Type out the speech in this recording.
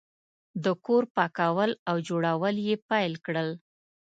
د کور پاکول او جوړول یې پیل کړل.